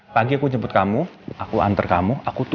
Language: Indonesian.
pagi aku jemput kamu aku antar kamu aku tujuh